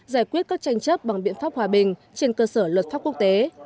giải quyết các tranh chấp bằng biện pháp hòa bình trên cơ sở luật pháp quốc tế